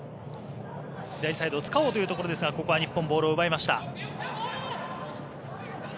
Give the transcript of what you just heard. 左サイドを使おうというところですがここは日本、ボールを奪いました。